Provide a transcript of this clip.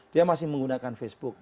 dia masih menggunakan facebook